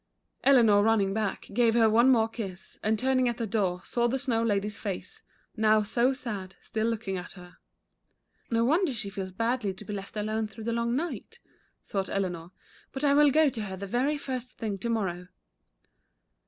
Eleanor running back, gave her one more kiss, and turning at the door, saw the Snow Lady's face, now so sad, still looking at her. " No Avonder she feels badly to be left alone through the long night," thought Eleanor, "but I will go to her the very first thing to morrow."